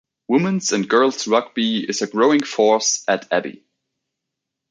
Woman's and girls rugby is a growing force at Abbey.